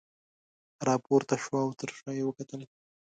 راپورته شوه او تر شاه یې وکتل.